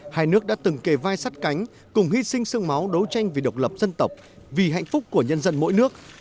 hai nước đã từng kề vai sắt cánh cùng hy sinh sương máu đấu tranh vì độc lập dân tộc vì hạnh phúc của nhân dân mỗi nước